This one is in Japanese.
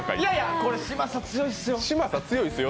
これ、嶋佐強いですよ